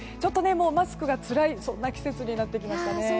もうマスクがつらいそんな季節になってきましたね。